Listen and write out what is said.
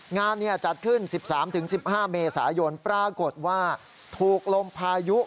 งานจัดขึ้น๑๓๑๕เมษายนปรากฏว่าถูกลมพายุ